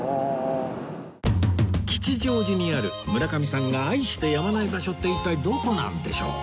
吉祥寺にある村上さんが愛してやまない場所って一体どこなんでしょう？